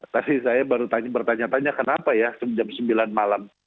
tadi saya baru bertanya tanya kenapa ya jam sembilan malam